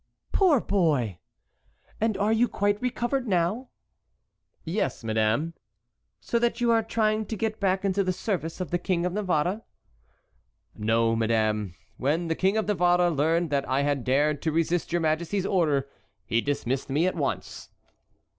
"Poor boy! And are you quite recovered now?" "Yes, madame." "So that you are trying to get back into the service of the King of Navarre?" "No, madame. When the King of Navarre learned that I had dared to resist your majesty's order he dismissed me at once."